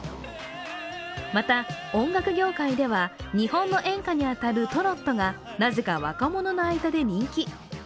また、音楽業界では日本の演歌に当たるトロットがなぜか若者の間で人気。